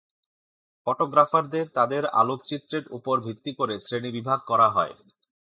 ফটোগ্রাফারদের তাদের আলোকচিত্রের উপর ভিত্তি করে শ্রেণীবিভাগ করা হয়।